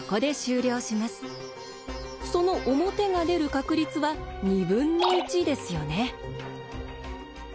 その表が出る確率は２分の１ですよね。